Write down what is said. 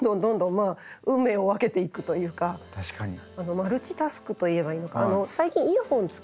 マルチタスクと言えばいいのかな？